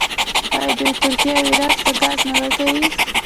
آیا دوی ترکیې او عراق ته ګاز نه ورکوي؟